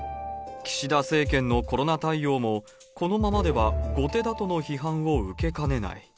岸田政権のコロナ対応も、このままでは後手だとの批判を受けかねない。